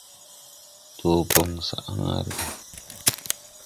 Dɔɔ bon sag hããre ga.